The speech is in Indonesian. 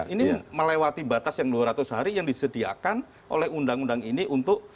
ini melewati batas yang dua ratus hari yang disediakan oleh undang undang ini untuk